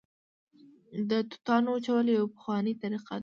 د توتانو وچول یوه پخوانۍ طریقه ده